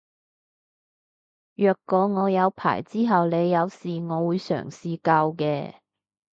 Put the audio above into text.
若果我有牌之後你有事我會嘗試救嘅